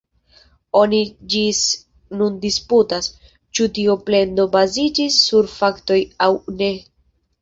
Oni ĝis nun disputas, ĉu tio plendo baziĝis sur faktoj aŭ ne.